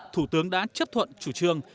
thủ tướng đã chấp thuận chủ trương